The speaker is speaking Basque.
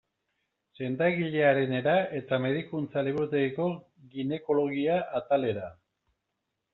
Sendagilearenera eta medikuntza-liburutegiko ginekologia atalera.